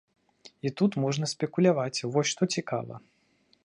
І тут можна спекуляваць, вось што цікава.